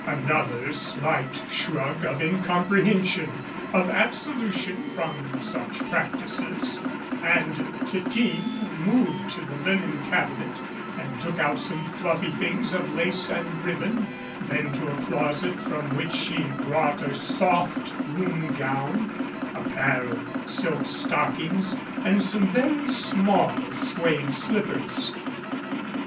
Another slight shrug of incomprehension of abso lution from such practices and Titine moved to the linen cabinet and took out some fluffy things of lace and ribbon, then to a closet from which she brought a soft room gown, a pair of silk stockings and some very small suede slippers.